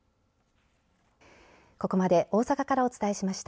ここまで大阪からお伝えしました。